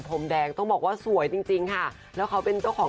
มแดงต้องบอกว่าสวยจริงจริงค่ะแล้วเขาเป็นเจ้าของ